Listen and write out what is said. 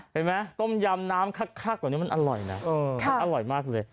เห็นไหมต้มยำน้ำคลักแบบนี้มันอร่อยนะมันอร่อยมากเลย